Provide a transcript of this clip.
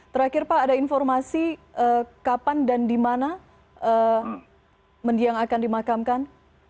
terakhir pak ada informasi kapan dan di mana mendiang akan dimakamkan